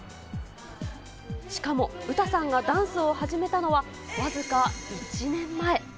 しかも、ウタさんがダンスを始めたのは僅か１年前。